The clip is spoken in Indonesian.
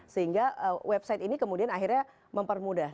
sehingga website ini kemudian akhirnya mempermudah